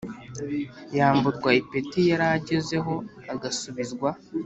yamburwa ipeti yari agezeho agasubizwa